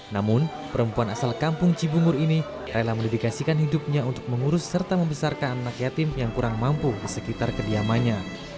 namun perempuan asal kampung cibungur ini rela mendedikasikan hidupnya untuk mengurus serta membesarkan anak yatim yang kurang mampu di sekitar kediamannya